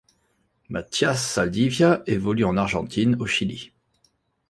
Matías Zaldivia évolue en Argentine au Chili.